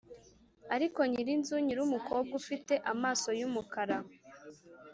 ariko nyirinzu nyirumukobwa ufite amaso yumukara,